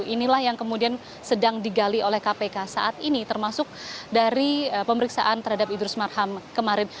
inilah yang kemudian sedang digali oleh kpk saat ini termasuk dari pemeriksaan terhadap idrus marham kemarin